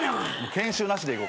研修なしでいこう。